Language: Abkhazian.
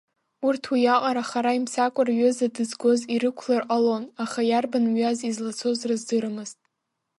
Урҭ уиаҟара хара имцакәа рҩыза дызгоз ирықәлар ҟалон, аха иарбан мҩаз излацоз рыздырамызт.